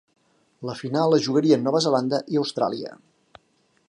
La final la jugarien Nova Zelanda i Austràlia.